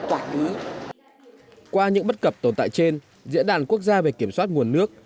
qua những bất cập tồn tại trên diễn đàn quốc gia về kiểm soát nguồn nước